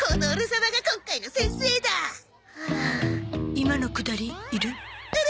今のくだりいる？